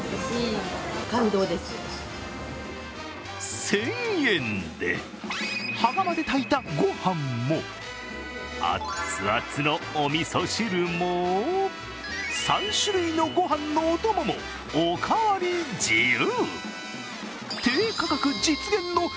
１０００円で、羽釜で炊いたご飯もあっつあつのおみそ汁も３種類のご飯のお供もおかわり自由。